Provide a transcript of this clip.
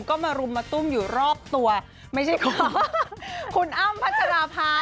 ก็มารุมมาตุ้มอยู่รอบตัวไม่ใช่ของคุณอ้ำพัชราภา